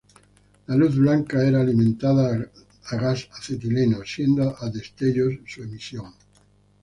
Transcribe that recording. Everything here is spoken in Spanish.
La luz blanca era alimentada a gas acetileno, siendo a destellos su emisión.